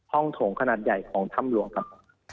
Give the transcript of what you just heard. โถงขนาดใหญ่ของถ้ำหลวงครับ